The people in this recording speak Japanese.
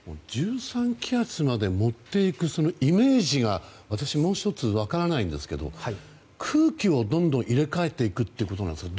１３気圧まで持っていくイメージが私、もう１つ分からないんですけど空気をどんどん入れ替えていくということなんですか？